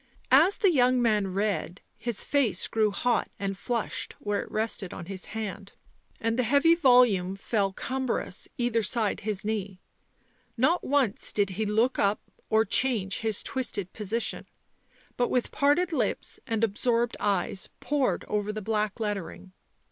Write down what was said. As the young man read, his face grew hot and flushed where it rested on his hand, and the heavy volume fell cumbrous either side his knee ; not once did he look up or change his twisted position, but with parted lips and absorbed eyes pored over the black lettering.